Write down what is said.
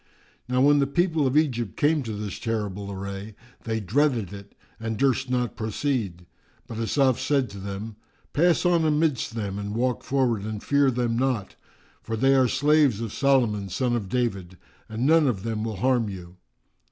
Now when the people of Egypt came to this terrible array, they dreaded it and durst not proceed; but Asaf said to them, "Pass on amidst them and walk forward and fear them not: for they are slaves of Solomon son of David, and none of them will harm you."